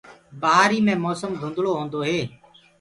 بهآري مي موسم ڌُندݪو هوندو هي۔